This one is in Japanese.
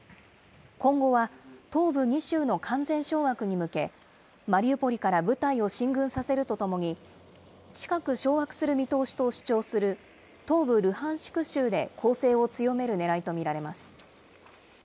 今後は東部２州の完全掌握に向け、マリウポリから部隊を進軍させるとともに、近く掌握する見通しと主張する東部ルハンシク州で攻勢を強めるねらいと見られます。